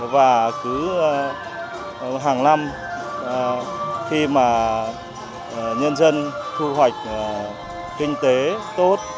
và cứ hàng năm khi mà nhân dân thu hoạch kinh tế tốt